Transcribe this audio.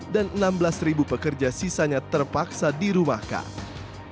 dan enam belas pekerja sisanya terpaksa dirumahkan